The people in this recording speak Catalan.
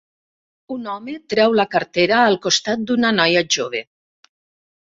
Un home treu la cartera al costat d'una noia jove.